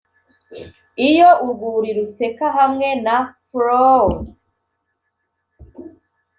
iyo urwuri ruseka hamwe na flow'rs;